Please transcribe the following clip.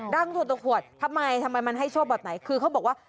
ถูกต่อขวดทำไมทำไมมันให้โชคแบบไหนคือเขาบอกว่า